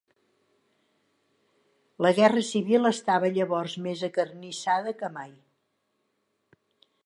La guerra civil restava llavors més acarnissada que mai.